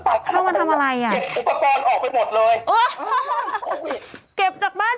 เกิดขึ้นมาก่อน